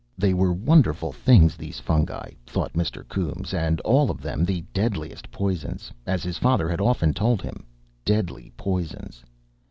They were wonderful things these fungi, thought Mr. Coombes, and all of them the deadliest poisons, as his father had often told him. Deadly poisons!